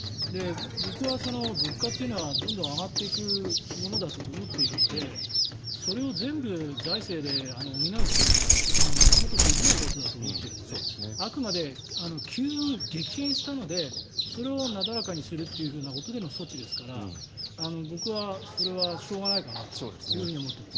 僕は、物価というのはどんどん上がっていくものだと思っているのでそれを全部財政で補うということは元々できないことだと思っているのであくまで、急に激変したのでそれをなだらかにするということでの措置ですから僕はそれはしょうがないかなと思っています。